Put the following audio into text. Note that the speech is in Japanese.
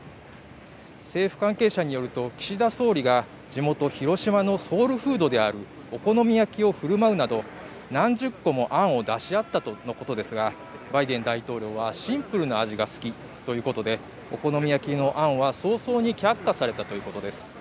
政府関係者によると、岸田総理が地元・広島のソウルフードであるお好み焼きを振る舞うなど何十個も案を出し合ったとのことですがバイデン大統領はシンプルな味が好きということでお好み焼きの案は早々に却下されたということです。